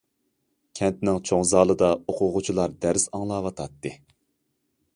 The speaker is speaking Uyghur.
كەنتنىڭ چوڭ زالىدا ئوقۇغۇچىلار دەرس ئاڭلاۋاتاتتى.